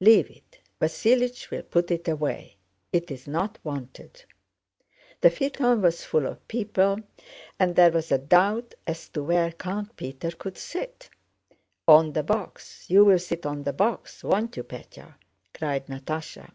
"Leave it, Vasílich will put it away. It's not wanted." The phaeton was full of people and there was a doubt as to where Count Peter could sit. "On the box. You'll sit on the box, won't you, Pétya?" cried Natásha.